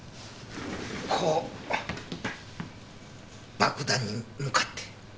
こう爆弾に向かって。